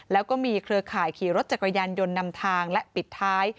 แล้วก็มีเครือข่ายขี่รถจักรยานยนต์นำทางและปิดท้าย